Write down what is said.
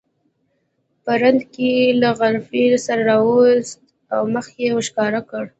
یو رند له غرفې سر راوویست او مخ یې ښکاره کړ.